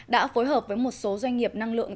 đã phối hợp với một số doanh nghiệp năng lượng